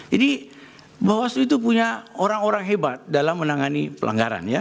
bawaslu itu punya orang orang hebat dalam menangani pelanggaran ya